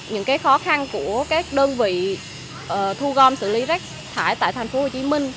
những khó khăn của các đơn vị thu gom xử lý rác thải tại tp hcm